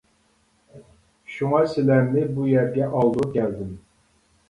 شۇڭا سىلەرنى بۇ يەرگە ئالدۇرۇپ كەلدىم.